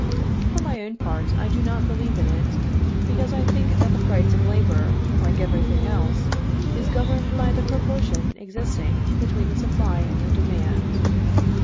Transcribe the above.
For my own part I do not believe in it, because I think that the price of labor, like every thing else, is governed by the proportion existing between the supply and the demand.